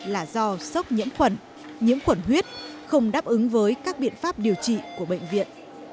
là do sốc nhiễm khuẩn nhiễm khuẩn huyết không đáp ứng với các biện pháp điều trị của bệnh viện